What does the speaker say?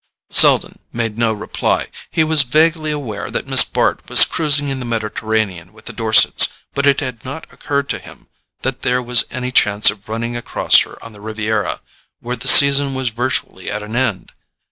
Selden made no reply. He was vaguely aware that Miss Bart was cruising in the Mediterranean with the Dorsets, but it had not occurred to him that there was any chance of running across her on the Riviera, where the season was virtually at an end.